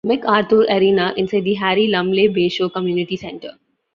McArthur Arena inside the Harry Lumley Bayshore Community Centre.